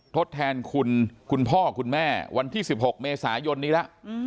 ทดแทนคุณคุณพ่อคุณแม่วันที่๑๖เมษายนนี้แล้ว